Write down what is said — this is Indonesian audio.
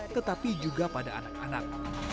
tetapi juga pada anak anak